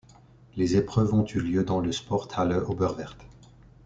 Les épreuves ont eu lieu dans le Sporthalle Oberwerth.